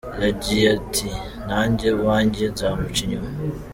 Yagiye ati “Nanjye uwanjye nzamuca inyuma.